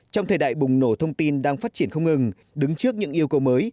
trong thời đại bùng nổ thông tin đang phát triển không ngừng đứng trước những yêu cầu mới